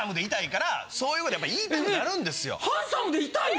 そういうことやっぱ言いたくなるんですよ。